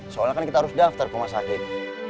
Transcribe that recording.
soalnya kan kita harus daftar ke rumah sakit